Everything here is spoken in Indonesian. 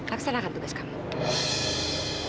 aku senangkan tugas kamu